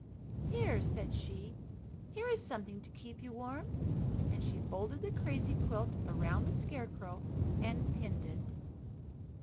"Here," said she, "here is something to keep you warm," and she folded the crazy quilt around the Scarecrow and pinned it.